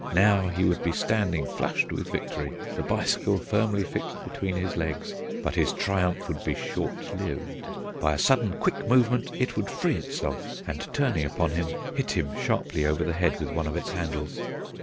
Now he would be standing flushed with victory, the bicycle firmly fixed between his legs. But his triumph would be short lived. By a sudden, quick movement it would free itself, and, turning upon him, hit him sharply over the head with one of its handles.